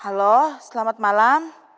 halo selamat malam